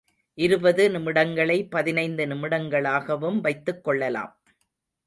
இருபது நிமிடங்களை பதினைந்து நிமிடங்களாகவும் வைத்துக் கொள்ளலாம்.